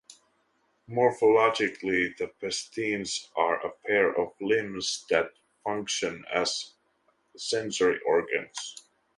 Morphologically the pectines are a pair of limbs that function as sensory organs.